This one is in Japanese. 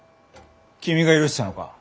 君が許したのか？